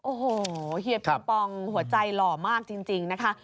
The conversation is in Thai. โอ้โหเฮียปิงปองหัวใจหล่อมากจริงนะคะ